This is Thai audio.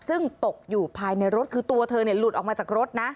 ซึ่งตกอยู่ภายในรถคือตัวเธอหลุดออกมาจากรถนะ